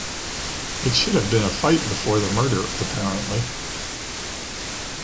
It should have been a fight before the murder apparently.